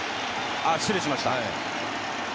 失礼しました。